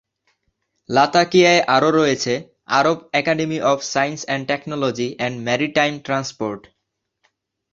লাতাকিয়ায় আরো রয়েছে Arab Academy for Science and Technology and Maritime transport.